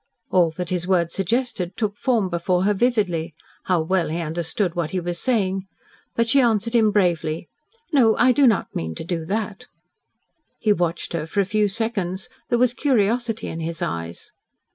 All that his words suggested took form before her vividly. How well he understood what he was saying. But she answered him bravely. "No. I do not mean to do that." He watched her for a few seconds. There was curiosity in his eyes.